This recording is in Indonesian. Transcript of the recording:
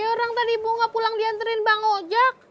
orang tadi bunga pulang diantriin bang ojek